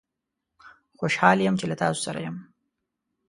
خوشحال یم چې له تاسوسره یم